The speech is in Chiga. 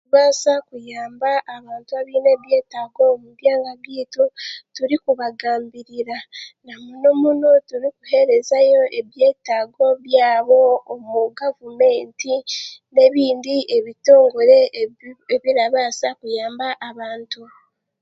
Turabaasa kuyamba abantu abeine ebyetaago omu byanga by'eitu turikubagambirira n'omuno turikuherezayo ebyetaago byabo omu gavumenti n'ebindi ebitongore ebirabaasa kuyamba abantu.